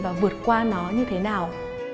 và vượt qua nó như thế nào